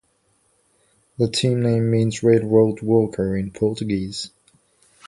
The team name means "railroad worker" in Portuguese.